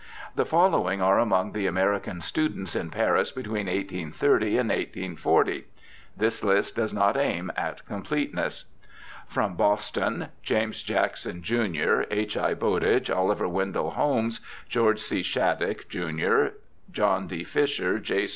The following were among the American students in Paris between 1830 and 1840 (this list does not aim at completeness) : From Boston : James Jackson, jun., H. I. Bowditch, Oliver Wendell Holmes, George C. Shattuck, jun., John D. Fisher, J.